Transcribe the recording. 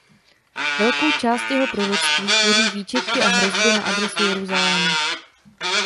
Velkou část jeho proroctví tvoří výčitky a hrozby na adresu „Jeruzaléma“.